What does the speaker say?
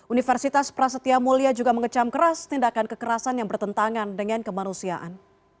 universitas prasetya mulia juga mengecam keras tindakan kekerasan yang bertentangan dengan kemanusiaan